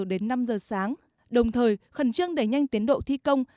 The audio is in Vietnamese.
đến năm giờ sáng đồng thời khẩn trương đẩy nhanh tiến độ thi công